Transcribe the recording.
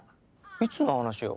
いつの話よ？